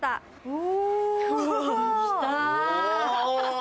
お。